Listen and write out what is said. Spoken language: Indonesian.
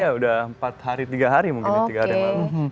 ya sudah empat hari tiga hari mungkin